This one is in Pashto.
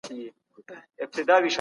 ځینو کسانو اوږده موده سګریټ څکاوه.